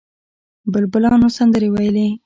بلبلانو سندرې ویلې.